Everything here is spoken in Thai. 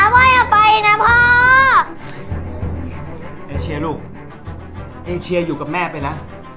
ไม่เอาไปนะพ่อเอเชียลูกเอเชียอยู่กับแม่ไปนะ